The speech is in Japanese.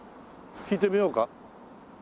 聞いてみようか？